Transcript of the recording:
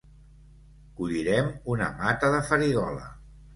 Collirem una mata de farigola.